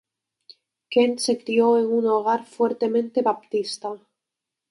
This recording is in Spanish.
Kent se crio en un hogar fuertemente baptista.